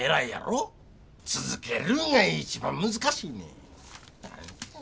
続けるんが一番難しいねん。